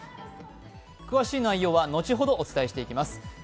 詳しい内容は後ほどお伝えしていきます。